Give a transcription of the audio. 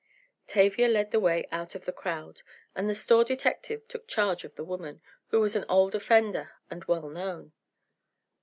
Tavia led the way out of the crowd, and the store detective took charge of the woman, who was an old offender and well known.